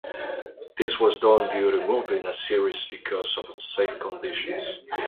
This was done due to moving a series because of unsafe conditions.